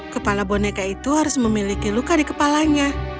kepala boneka itu harus memiliki luka di kepalanya